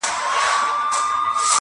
• چا خوله وازه په حیرت پورته کتله -